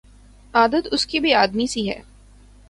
عادت اس کی بھی آدمی سی ہے